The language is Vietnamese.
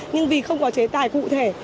nhưng vì không có chế tài cụ thể